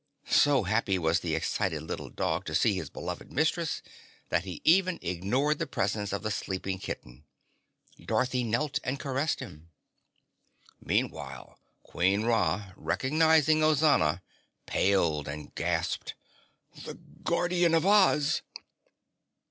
So happy was the excited little dog to see his beloved mistress that he even ignored the presence of the sleeping kitten. Dorothy knelt and caressed him. Meanwhile, Queen Ra, recognizing Ozana, paled and gasped: "The Guardian of Oz!"